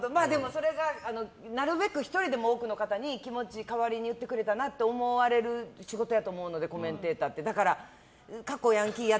なるべく１人でも多くの方に気持ちを代わりに言ってくれたなって思われる仕事やと思うのでコメンテーターって。